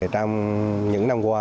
trong những năm qua